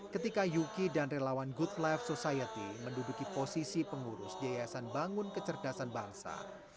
ketika yuki dan relawan good life society menduduki posisi pengurus di yayasan bangun kecerdasan bangsa